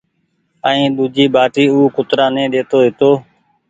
ائين ۮوجي ٻآٽي او ڪترآ ني ڏيتو هيتو